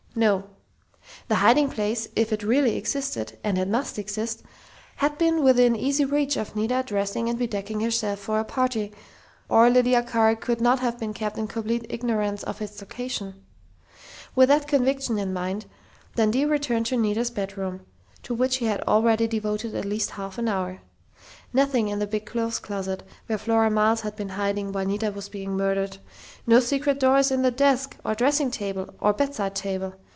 No. The hiding place, if it really existed and it must exist had been within easy reach of Nita dressing and bedecking herself for a party, or Lydia Carr could not have been kept in complete ignorance of its location. With that conviction in mind, Dundee returned to Nita's bedroom, to which he had already devoted at least half an hour. Nothing in the big clothes closet, where Flora Miles had been hiding while Nita was being murdered. No secret drawers in desk or dressing table or bedside table.